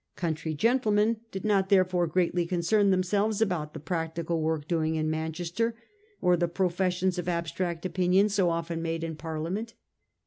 Country gentlemen did not therefore greatly concern themselves about the practical work doing in Manchester, or the professions of abstract opinion so often made in Parliament.